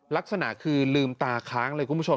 ลักษณะคือลืมตาค้างเลยคุณผู้ชม